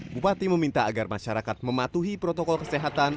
bupati meminta agar masyarakat mematuhi protokol kesehatan